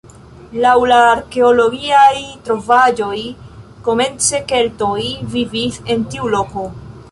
Laŭ la arkeologiaj trovaĵoj komence keltoj vivis en tiu loko.